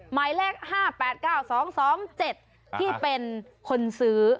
หมายเลข๕๘๙๒๒๗ที่เป็นคนซื้อ